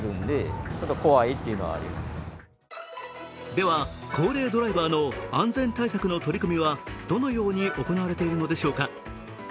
では、高齢ドライバーの安全対策の取り組みはどのように行われているのでしょうか。